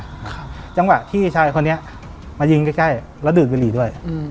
ค่ะจังหวะที่ชายคนนี้มายิงใกล้ใกล้แล้วดึดงั่นหน่อยอืม